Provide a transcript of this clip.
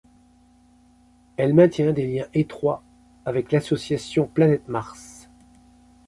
Elle maintient des liens étroits avec l'Association Planète Mars.